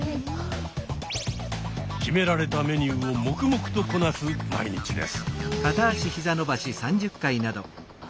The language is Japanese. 決められたメニューを黙々とこなす毎日です。